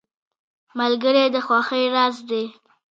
ملګری د خوښیو راز دی.